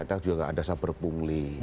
ada juga ada sabar pungli